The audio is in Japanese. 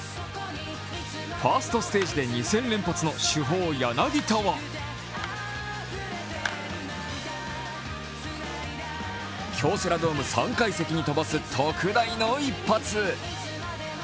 ファーストステージで２戦連発の主砲・柳田は京セラドーム３階席に飛ばす特大の一発。